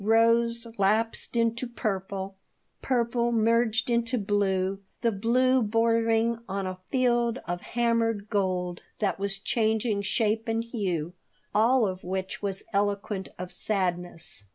Rose lapsed into purple, purple merged into blue, the blue bordering on a field of hammered gold that was changing shape and hue; all of which was eloquent of sadness.